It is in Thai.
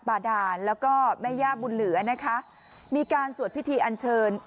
บาดานแล้วก็แม่ย่าบุญเหลือนะคะมีการสวดพิธีอันเชิญ